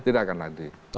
tidak akan lagi